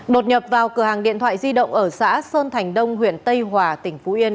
đột nhập vào cửa hàng điện thoại di động ở xã sơn thành đông huyện tây hòa tỉnh phú yên